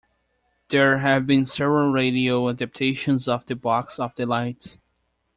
There have been several radio adaptations of "The Box of Delights".